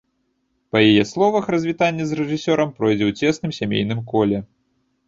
Па яе словах, развітанне з рэжысёрам пройдзе ў цесным сямейным коле.